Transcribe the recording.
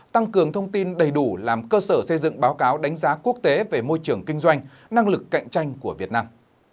tăng cường thông tin đầy đủ làm cơ sở xây dựng báo cáo đánh giá quốc tế về môi trường kinh doanh năng lực cạnh tranh của việt nam